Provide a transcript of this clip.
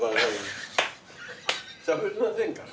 しゃべれませんから。